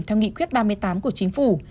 theo nghị quyết ba mươi tám của chính phủ